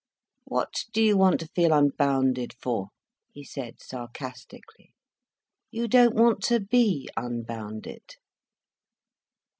"What do you want to feel unbounded for?" he said sarcastically. "You don't want to be unbounded."